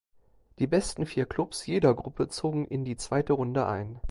Die besten vier Klubs jeder Gruppe zogen in die zweite Runde ein.